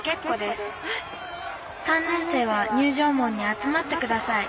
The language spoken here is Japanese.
３年生は入場門に集まってください」。